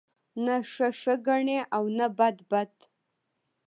نه ښه ښه گڼي او نه بد بد